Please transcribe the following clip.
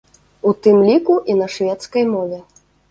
У тым ліку, і на шведскай мове.